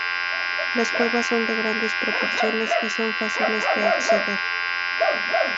Las cuevas son de grandes proporciones, y son fáciles de acceder.